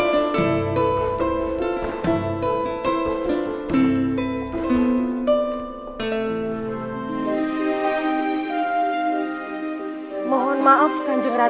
tidak ada yang ingin menghadap